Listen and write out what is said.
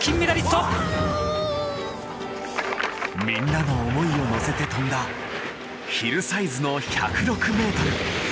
みんなの思いを乗せて飛んだヒルサイズの１０６ｍ。